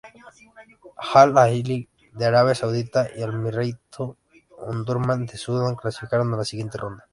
Al-Ahli de Arabia Saudita y Al-Merreikh Omdurmán de Sudán clasificaron a la siguiente ronda.